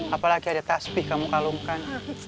apalagi ada tasbih kamu kalungkan